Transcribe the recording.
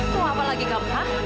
tuh apa lagi kamu hah